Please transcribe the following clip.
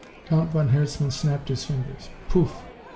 Count von Herzmann snapped his fingers. "Poof!